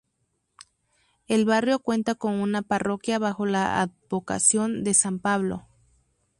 El barrio cuenta con una parroquia bajo la advocación de San Pablo.